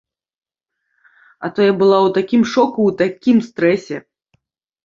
А то я была ў такім шоку, у такім стрэсе.